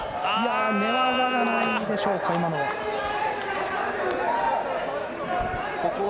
寝技じゃないんでしょうか今のは。